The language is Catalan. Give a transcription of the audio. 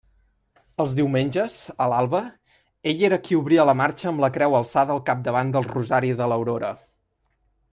Els diumenges, a l'alba, ell era qui obria la marxa amb la creu alçada al capdavant del rosari de l'aurora.